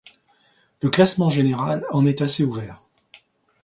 Le classement général en est assez ouvert.